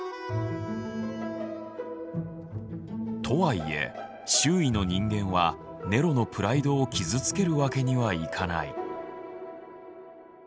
とはいえ周囲の人間はネロのプライドを傷つけるわけにはいかない。